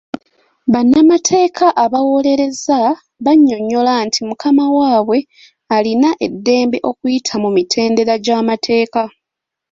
Bannamateeka abawoloreza bannyonnyola nti mukama waabwe alina eddembe okuyita mu mitendera gy'amateeka.